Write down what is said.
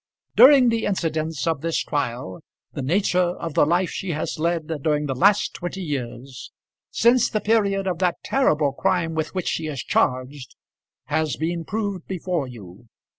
During the incidents of this trial the nature of the life she has led during the last twenty years, since the period of that terrible crime with which she is charged, has been proved before you.